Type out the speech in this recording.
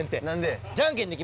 何で？